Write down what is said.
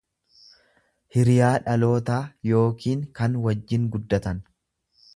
hiriyaa dhalootaa yookiin kan wajjin guddatan.